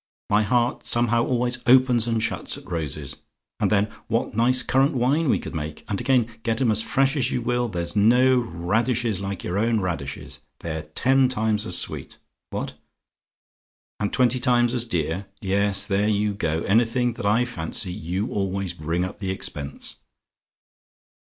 My heart somehow always opens and shuts at roses. And then what nice currant wine we could make! And again, get 'em as fresh as you will, there's no radishes like your own radishes! They're ten times as sweet! What? "AND TWENTY TIMES AS DEAR? "Yes; there you go! Anything that I fancy, you always bring up the expense.